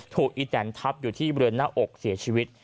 ถูกอีแตนทับอยู่ที่เมืองหน้าอกเสียชีวิต